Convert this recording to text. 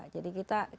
jadi kita minta ucapkan